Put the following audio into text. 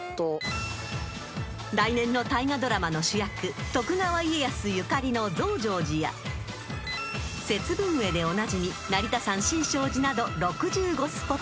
［来年の大河ドラマの主役徳川家康ゆかりの増上寺や節分会でおなじみ成田山新勝寺など６５スポット］